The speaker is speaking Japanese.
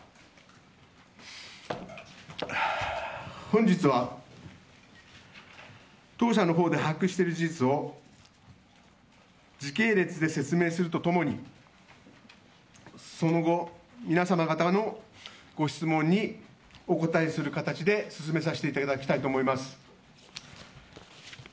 本日は当社のほうで把握している事実を時系列で説明すると共にその後、皆様方のご質問にお答えする形で進めさせていただきたいと思います。